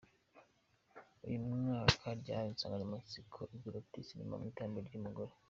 Uyu mwaka ryahawe insanganya matsiko igira iti “Cinema mu iterambere ry’umugore.